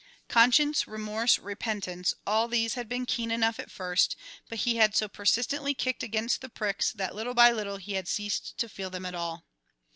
Conscience, remorse, repentance, all these had been keen enough at first, but he had so persistently kicked against the pricks that little by little he had ceased to feel them at all.